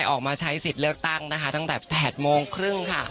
ออกมาใช้สิทธิ์เลือกตั้งนะคะตั้งแต่๘โมงครึ่งค่ะ